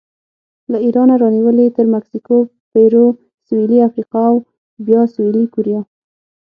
له ایرانه رانیولې تر مکسیکو، پیرو، سویلي افریقا او بیا سویلي کوریا